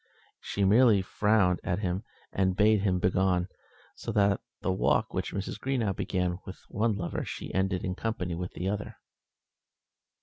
She merely frowned at him, and bade him begone, so that the walk which Mrs. Greenow began with one lover she ended in company with the other.